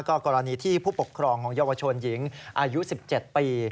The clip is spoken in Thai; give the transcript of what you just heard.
กรณีที่ผู้ปกครองของเยาวชนหญิงอายุ๑๗ปี